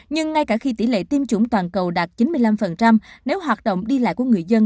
nhưng ngay cả khi tỷ lệ tiêm chủng toàn cầu đạt chín mươi năm nếu hoạt động đi lại của người dân